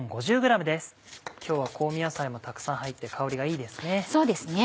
今日は香味野菜もたくさん入って香りがいいですね。